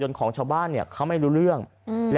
จังหวะเดี๋ยวจะให้ดูนะ